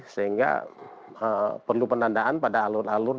sehingga perlu penandaan pada alur alur